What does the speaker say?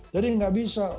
jadi tidak bisa